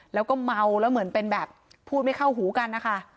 แล้วก็เมาแล้วเหมือนเป็นแบบพูดไม่เข้าหูกันนะคะ